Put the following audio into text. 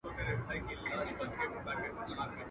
o غلبېل کوزې ته وايي، سورۍ.